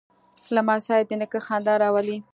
لمسی د نیکه خندا راولي.